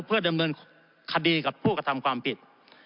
เพื่อดำเนินคดีกับผู้กระทำความผิด